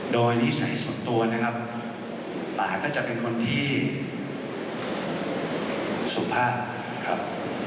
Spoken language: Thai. โดยนิสัยส่วนตัวนะครับป่าก็จะเป็นคนที่สุภาพนะครับ